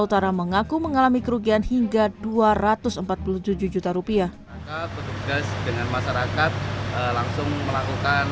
utara mengaku mengalami kerugian hingga dua ratus empat puluh tujuh juta rupiah petugas dengan masyarakat langsung melakukan